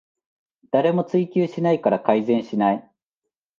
誰も追及しないから改善しない